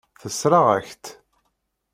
Tessṛeɣ-ak-tt.